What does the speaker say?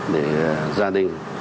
để gia đình